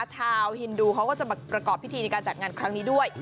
ฮินดูเขาก็จะมาประกอบพิธีในการจัดงานครั้งนี้ด้วย